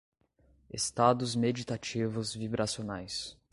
Estados meditativos vibracionais